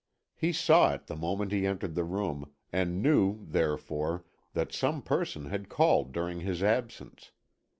He saw it the moment he entered the room, and knew, therefore, that some person had called during his absence.